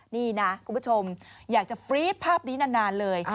นี่นะคุณผู้ชมอยากจะฟรี๊ดภาพนี้นานเลย